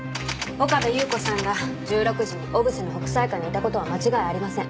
岡部祐子さんが１６時に小布施の北斎館にいた事は間違いありません。